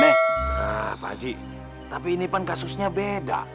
nah pak haji tapi ini kan kasusnya beda